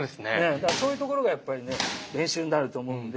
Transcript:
だからそういうところがやっぱりね練習になると思うので。